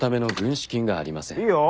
いいよ。